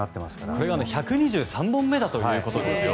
これが１２３本目だということですよ。